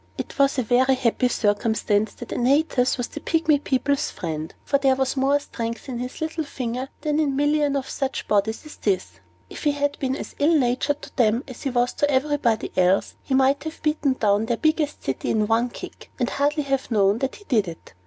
It was a happy circumstance that Antaeus was the Pygmy people's friend; for there was more strength in his little finger than in ten million of such bodies as this. If he had been as ill natured to them as he was to everybody else, he might have beaten down their biggest city at one kick, and hardly have known that he did it.